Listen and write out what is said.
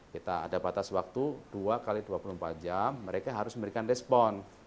kita ada batas waktu dua x dua puluh empat jam mereka harus memberikan respon